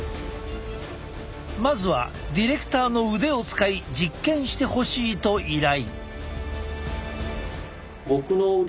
まずはディレクターの腕を使い実験してほしいと依頼。